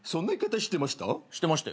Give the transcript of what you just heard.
してましたよ。